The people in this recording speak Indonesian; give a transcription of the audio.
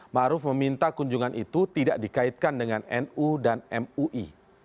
⁇ maruf meminta kunjungan itu tidak dikaitkan dengan nu dan mui